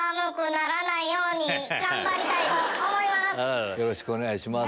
よろしくお願いします。